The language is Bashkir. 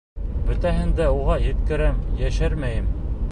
Бөтәһен дә уға еткерәм, йәшермәйем.